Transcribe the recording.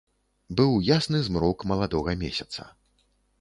Быў ясны змрок маладога месяца.